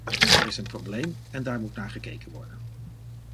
Er is een probleem en daar moet naar gekeken worden.